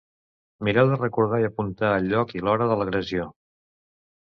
Mireu de recordar i apuntar el lloc i l’hora de l’agressió.